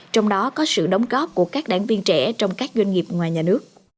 trong đó có sự đóng góp của các đảng viên trẻ trong các doanh nghiệp ngoài nhà nước